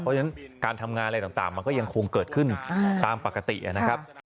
เพราะฉะนั้นการทำงานอะไรต่างมันก็ยังคงเกิดขึ้นตามปกตินะครับ